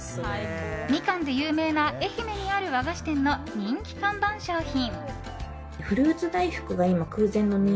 ミカンで有名な愛媛にある和菓子店の人気看板商品。